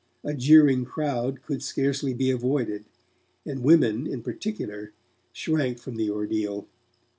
A jeering crowd could scarcely be avoided, and women, in particular, shrank from the ordeal.